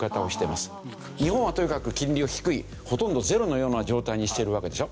日本はとにかく金利を低いほとんどゼロのような状態にしてるわけでしょ。